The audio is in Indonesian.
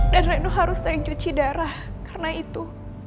dan reno harus sering cuci darah karena itu